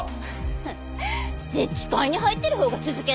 フンッ自治会に入ってるほうが続けられないわよ。